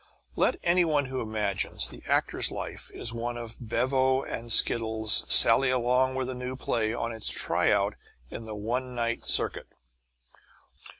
Let any one who imagines the actor's life is one of bevo and skittles sally along with a new play on its try out in the one night circuit.